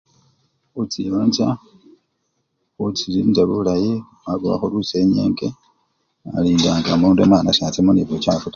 Kuchienja kuchienja bulayi wabowakho lusinyenge walindanga omutu mwana sachamo nebujafi ta